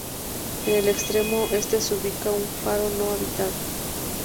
En el extremo este se ubica un faro no habitado.